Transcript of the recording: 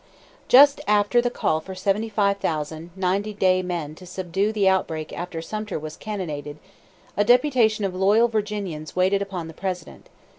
Just after the call for seventy five thousand ninety day men to subdue the outbreak after Sumter was cannonaded, a deputation of loyal Virginians waited upon the President.